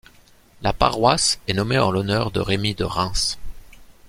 La paroisse est nommée en l'honneur de Remi de Reims.